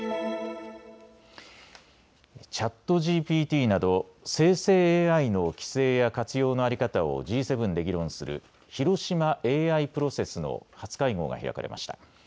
ＣｈａｔＧＰＴなど生成ＡＩの規制や活用の在り方をＧ７で議論する広島ＡＩプロセスの初会合が開かれました。